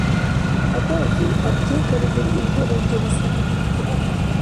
Адавзи, аптекализир илдигъунти масани дирути ахӀен.